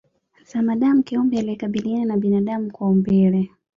Zamadamu kiumbe aliyekaribiana na binadamu kwa umbile